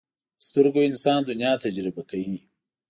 په سترګو انسان دنیا تجربه کوي